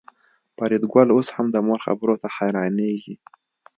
فریدګل اوس هم د مور خبرو ته حیرانېږي